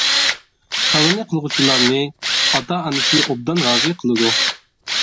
خەۋىرىنى قىلغۇچىلارنى ئاتا-ئانىسى ئوبدان رازى قىلىدۇ.